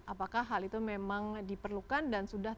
apakah hal itu memang diperlukan dan sudah